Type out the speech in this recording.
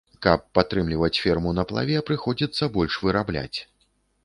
Каб падтрымліваць ферму на плаве, прыходзіцца больш вырабляць.